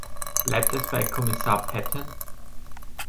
Bleibt es bei Kommissar Patten?